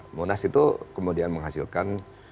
dan ada munas itu kemudian menghasilkan